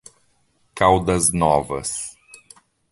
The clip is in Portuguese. Caldas Novas